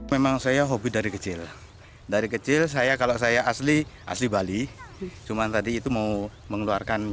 memang saya hobi dari kecil dari kecil saya kalau saya asli asli bali cuman tadi itu mau mengeluarkan